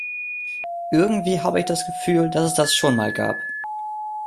Irgendwie habe ich das Gefühl, dass es das schon mal gab.